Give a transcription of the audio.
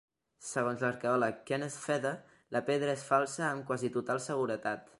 Segons l'arqueòleg Kenneth Feder, la pedra és falsa amb quasi total seguretat.